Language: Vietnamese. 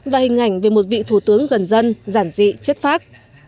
và hình ảnh về một vị thủ tướng gần dân giản dị chất phác